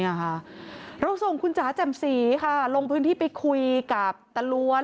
เราส่งคุณจ๋าแจ่มสีค่ะลงพื้นที่ไปคุยกับตะล้วน